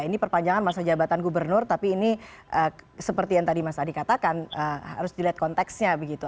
ini perpanjangan masa jabatan gubernur tapi ini seperti yang tadi mas adi katakan harus dilihat konteksnya begitu